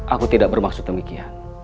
aku tidak bermaksud demikian